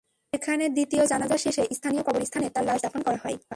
সেখানে দ্বিতীয় জানাজা শেষে স্থানীয় কবরস্থানে তাঁর লাশ দাফন করা হয়।